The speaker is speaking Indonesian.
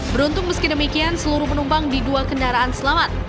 beruntung meski demikian seluruh penumpang di dua kendaraan selamat